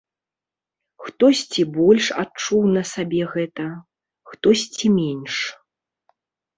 Хтосьці больш адчуў на сабе гэта, хтосьці менш.